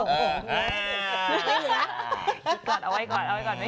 เอาไว้ก่อน